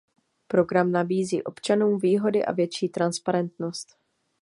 Program nabízí občanům výhody a větší transparentnost.